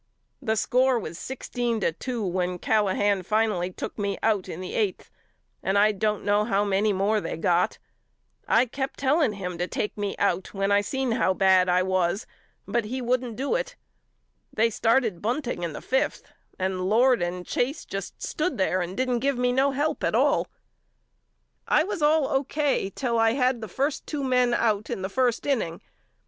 The score was sixteen to two when Callahan finally took me out in the eighth and I don't know how many more they got. I kept telling him to take me out when I seen how bad I was but he wouldn't do it. They started bunting in the fifth and Lord and Chase just stood there and didn't give me no help at all. I was all Q, K. till I had the first two men out A BUSKER'S LETTERS HOME 39 in the first inning.